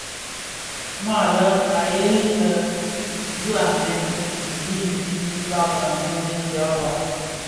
Mua a lè a gheri lè dhib a bhen i zi infin i bagha ntoňèn dhyaba.